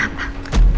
aku mau ke rumah